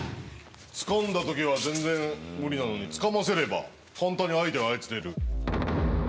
つかんだ時は全然無理なのにつかませれば簡単に相手を操れる。